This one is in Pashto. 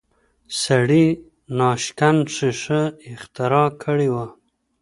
سړي ناشکن ښیښه اختراع کړې وه